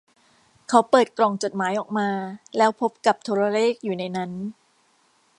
เขาเปิดกล่องจดหมายออกมาแล้วพบกับโทรเลขอยู่ในนั้น